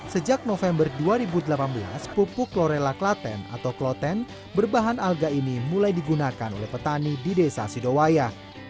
sejak november dua ribu delapan belas pupuk lorella klaten atau kloten berbahan alga ini mulai digunakan oleh petani di desa sidowaya